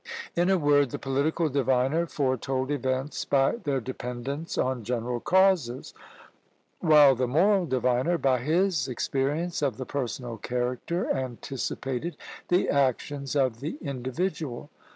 " In a word, the political diviner foretold events by their dependence on general causes, while the moral diviner, by his experience of the personal character, anticipated the actions of the individual.